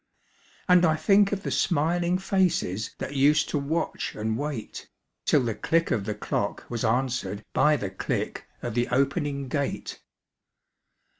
And I think of the smiling faces That used to watch and wait, Till the click of the clock was answered By the click of the opening gate.